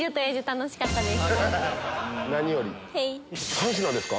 ３品ですか？